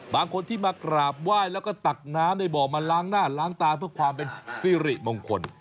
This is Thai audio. บางคนที่มากราบไหว้แล้วก็ตักน้ำในบ่อมาล้างหน้าล้างตาเพื่อความเป็นสิริมงคล